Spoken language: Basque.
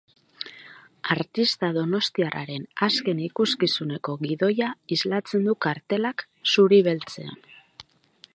Artista donostiarraren azken ikuskizuneko gidoia islatzen du kartelak, zuri-beltzean.